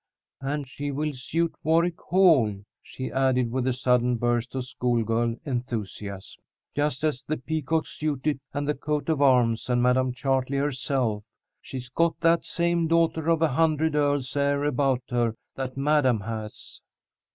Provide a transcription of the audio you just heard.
"And she will suit Warwick Hall," she added, with a sudden burst of schoolgirl enthusiasm, "just as the peacocks suit it, and the coat of arms, and Madam Chartley herself. She's got that same 'daughter of a hundred earls' air about her that Madam has."